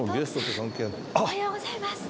徳さんおはようございます。